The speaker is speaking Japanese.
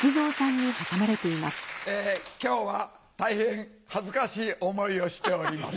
今日は大変恥ずかしい思いをしております。